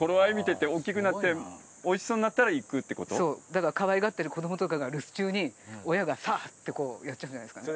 だからかわいがってる子どもとかが留守中に親がサッてこうやっちゃうんじゃないですかね。